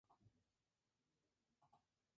Integró la Comisión de Hacienda.